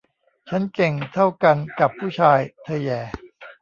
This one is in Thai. ฉันเก่งเท่ากันกับผู้ชาย เธอแหย่